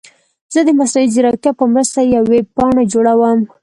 زه د مصنوعي ځیرکتیا په مرسته یوه ویب پاڼه جوړوم.